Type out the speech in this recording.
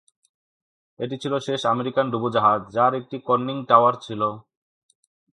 এটি ছিল শেষ আমেরিকান ডুবোজাহাজ যার একটি কন্নিং টাওয়ার ছিল।